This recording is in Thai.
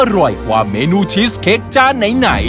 อร่อยกว่าเมนูชีสเค้กจานไหน